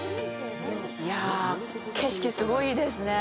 いやぁ、景色、すごいいいですね。